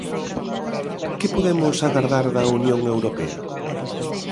Que podemos agardar da Unión Europea?